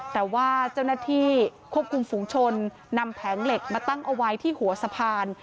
แต่ว่าเจ้าหน้าที่ควบคุมฝุงชนนำแผงเหล็กมาตั้งเอาไว้ที่หัวสะพาน